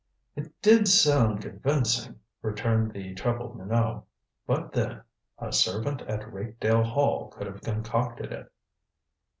"It did sound convincing," returned the troubled Minot. "But then a servant at Rakedale Hall could have concocted it."